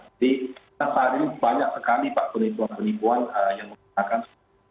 jadi kita tarik banyak sekali pak penipuan penipuan yang menggunakan